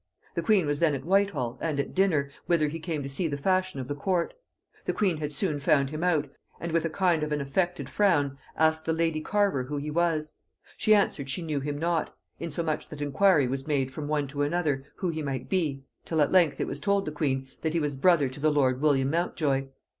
The queen was then at Whitehall, and at dinner, whither he came to see the fashion of the court. The queen had soon found him out, and with a kind of an affected frown asked the lady carver who he was? She answered, she knew him not; insomuch that enquiry was made from one to another who he might be, till at length it was told the queen that he was brother to the lord William Mountjoy.